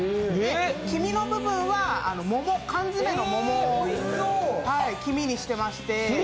黄身の部分は缶詰の桃を黄身にしていまして。